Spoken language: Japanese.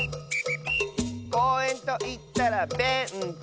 「こうえんといったらベンチ！」